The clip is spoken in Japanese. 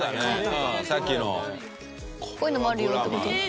こういうのもあるよって事？